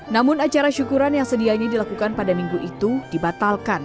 namun acara syukuran yang sedianya dilakukan pada minggu itu dibatalkan